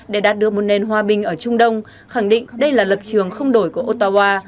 để đạt được một nền hòa bình ở trung đông khẳng định đây là lập trường không đổi của ottawa